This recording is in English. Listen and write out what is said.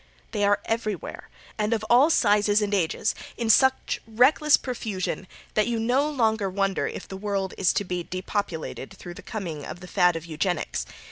They are everywhere, and of all sizes and ages, in such reckless profusion that you no longer wonder if the world is to be depopulated through the coming of the fad of Eugenics.